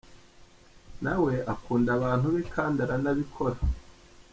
Nawe akunda abantu be, kandi aranabikora.